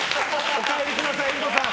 お帰りください、遠藤さん。